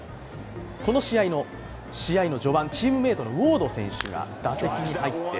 この試合の序盤、チームメートのウォード選手が打席に入って